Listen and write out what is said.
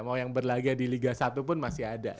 mau yang berlaga di liga satu pun masih ada